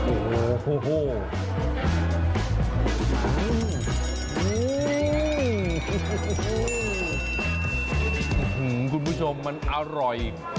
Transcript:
อื้อหือคุณผู้ชมมันอร่อย